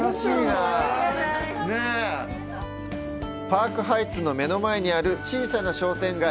パークハイツの目の前にある小さな商店街。